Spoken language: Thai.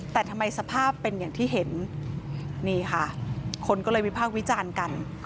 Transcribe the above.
แต่ทำไมสภาพเป็นอย่างที่เห็นนี่ค่ะคนก็เลยวิพากษ์วิจารณ์กัน